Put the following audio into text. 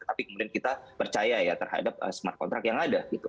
tapi kemudian kita percaya ya terhadap smart contract yang ada gitu